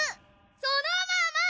そのまま！